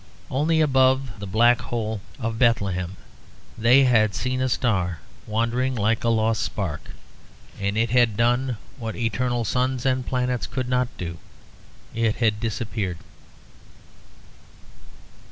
Only above the black hole of Bethlehem they had seen a star wandering like a lost spark; and it had done what the eternal suns and planets could not do. It had disappeared.